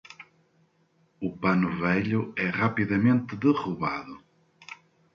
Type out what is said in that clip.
O pano velho é rapidamente derrubado.